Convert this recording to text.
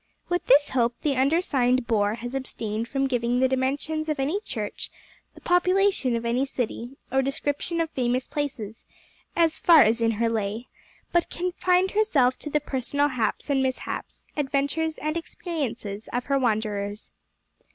With this hope the undersigned bore has abstained from giving the dimensions of any church, the population of any city, or description of famous places, as far as in her lay; but confined herself to the personal haps and mishaps, adventures and experiences, of her wanderers.